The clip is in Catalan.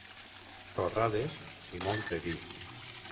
Torrades i molt de vi.